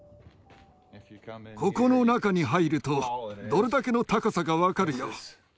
ここの中に入るとどれだけの高さか分かるよ。